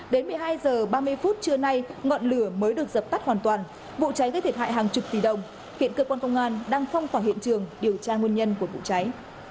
đến một mươi hai h ba mươi phút trưa nay ngọn lửa mới được dập tắt hoàn toàn vụ cháy gây thiệt hại hàng chục tỷ đồng hiện cơ quan công an đang phong tỏa hiện trường điều tra nguyên nhân của vụ cháy